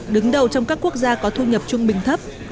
đứng đầu trong các quốc gia có thu nhập trung bình thấp